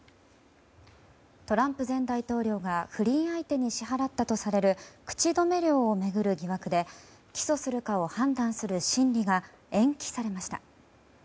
トランプ前大統領が不倫相手に支払ったとされる口止め料を巡る疑惑で起訴するかを判断する審理が延期されました。